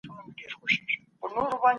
دا تر هغه لنډ دئ.